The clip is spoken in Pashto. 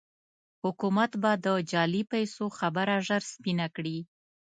حکومت به د جعلي پيسو خبره ژر سپينه کړي.